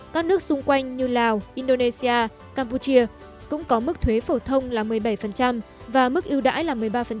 các nước xung quanh như lào indonesia campuchia cũng có mức thuế phổ thông là một mươi bảy và mức ưu đãi là một mươi ba